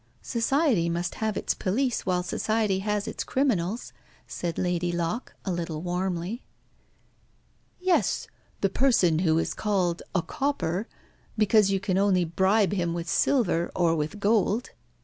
"Society must have its police while Society has its criminals," said Lady Locke, a little warmly. "Yes. The person who is called a 'copper,' because you can only bribe him with silver, or with gold."